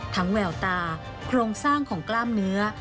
แววตาโครงสร้างของกล้ามเนื้อ